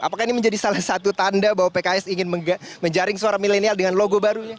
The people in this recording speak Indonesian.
apakah ini menjadi salah satu tanda bahwa pks ingin menjaring suara milenial dengan logo baru